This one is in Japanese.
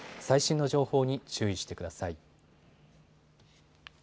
最新の情報に注意してください。